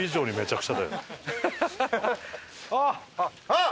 あっ！